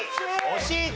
惜しい。